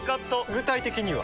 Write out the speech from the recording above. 具体的には？